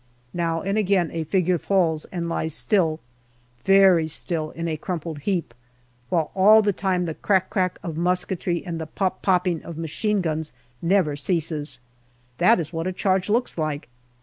Now and again a figu::e falls and lies still very still in a crumpled heap ; while all the time the crack crack of musketry and the pop popping of machine guns never ceases. That is what a charge looks like.